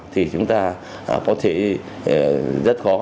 thì chúng ta có thể rất khó